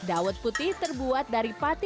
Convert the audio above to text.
air terjun mudal